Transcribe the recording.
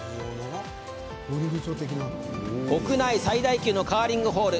国内最大級のカーリングホール。